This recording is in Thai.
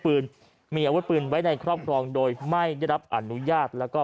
ปืนมีอาวุธปืนไว้ในครอบครองโดยไม่ได้รับอนุญาตแล้วก็